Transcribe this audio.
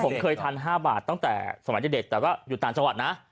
ผมเคยทาน๕บาทตั้งแต่สมัยเด็กแต่ว่าอยู่ต่างจังหวัดนะ